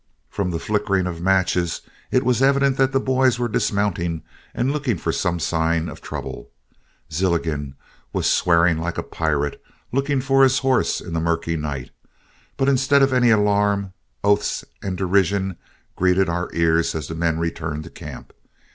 From the flickering of matches it was evident that the boys were dismounting and looking for some sign of trouble. Zilligan was swearing like a pirate, looking for his horse in the murky night; but instead of any alarm, oaths and derision greeted our ears as the men returned to camp.